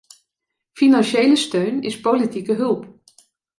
Financiële steun is politieke hulp.